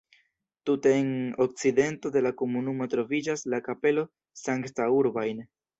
Tute en okcidento de la komunumo troviĝas la kapelo St-Urbain.